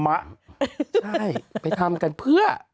ใช่ไปทำกันเพื่อ